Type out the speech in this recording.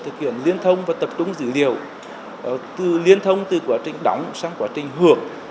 thực hiện liên thông và tập trung dữ liệu từ liên thông từ quá trình đóng sang quá trình hưởng